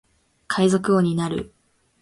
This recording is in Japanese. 海賊王になる